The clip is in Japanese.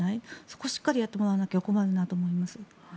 そこをしっかりやってもらわなきゃ困るなと思います。